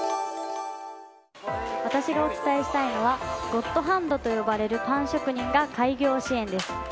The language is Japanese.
私がお伝えしたいのはゴッドハンドと呼ばれるパン職人が開業支援です。